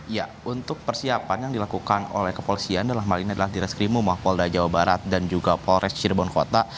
ya untuk persiapan yang dilakukan oleh kepolisian adalah di reskrimu mwapolda jawa barat dan juga polresta cirebon kota